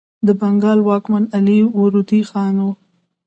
د بنګال واکمن علي وردي خان و.